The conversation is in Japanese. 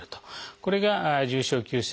これが重症急性